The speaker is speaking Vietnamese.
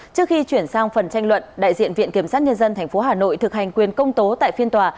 trước khi chuyển sang phần tranh luận đại diện viện kiểm sát nhân dân tp hà nội thực hành quyền công tố tại phiên tòa